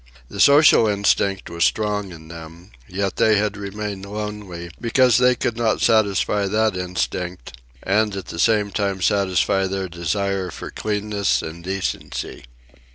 The social instinct was strong in them, yet they had remained lonely because they could not satisfy that instinct and at that same time satisfy their desire for cleanness and decency.